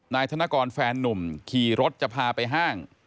นายธนกรแฟนนุ่มขี่รถจะพาไปห้าง